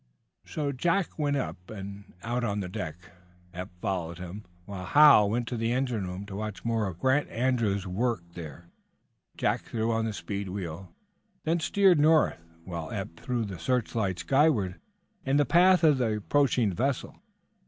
So Jack went up and out on the deck, Eph following him, while Hal went to the engine room to watch more of Grant Andrews' work there. Jack threw on the speed wheel, then steered north, while Eph threw the searchlight skyward in the path of the approaching vessel.